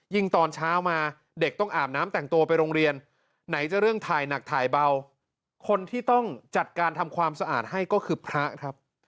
ตอนเช้ามาเด็กต้องอาบน้ำแต่งตัวไปโรงเรียนไหนจะเรื่องถ่ายหนักถ่ายเบาคนที่ต้องจัดการทำความสะอาดให้ก็คือพระครับ